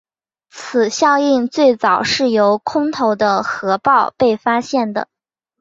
此效应最早是由空投的核爆被发现的。